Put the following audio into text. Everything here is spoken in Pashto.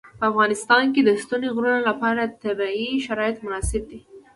په افغانستان کې د ستوني غرونه لپاره طبیعي شرایط مناسب دي.